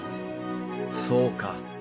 そうか。